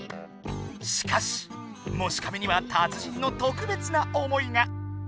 しかし「もしかめ」には達人の特別な思いが。